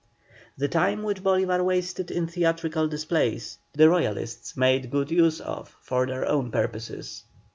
The time which Bolívar wasted in theatrical displays the Royalists made good use of for their own purposes.